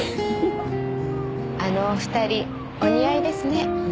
あのお二人お似合いですね。